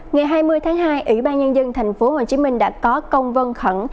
ngày hai mươi tháng hai ủy ban nhân dân tp hcm đã có công văn khẩn